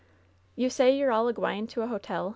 "You say you're all a gwine to a hotel